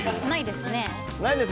ないです。